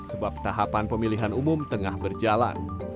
sebab tahapan pemilihan umum tengah berjalan